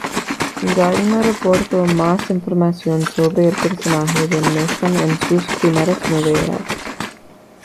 Gardner aportó más información sobre el personaje de Mason en sus primeras novelas.